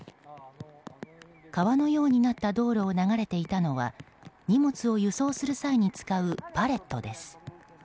川のようになった道路を流れていたのは荷物を輸送する際に使うパレットです。